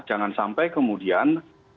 jangan sampai kemudian